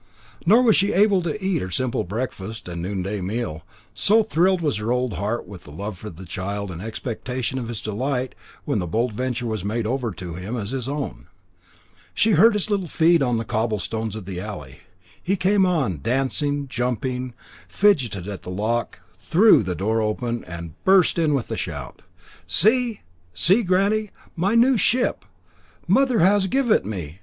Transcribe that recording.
Nor was she able to eat her simple breakfast and noonday meal, so thrilled was her old heart with love for the child and expectation of his delight when the Bold Venture was made over to him as his own. She heard his little feet on the cobblestones of the alley: he came on, dancing, jumping, fidgeted at the lock, threw the door open and burst in with a shout "See! see, granny! my new ship! Mother has give it me.